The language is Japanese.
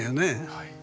はい。